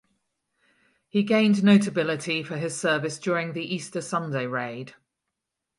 He gained notability for his service during the Easter Sunday Raid.